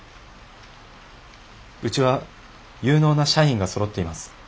うちは有能な社員がそろっています。